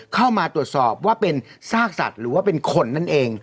เข้ามาตรวจสอบว่าเป็นซากสัตว์หรือว่าเป็นคนนั่นเอง